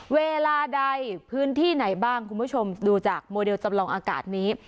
เวลาใดพื้นที่ไหนบ้างคุณผู้ชมดูจากโมเดลจำลองอากาศนี้